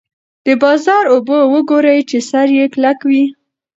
د بازار اوبه وګورئ چې سر یې کلک وي.